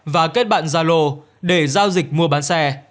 và kết bạn gia lô để giao dịch mua bán xe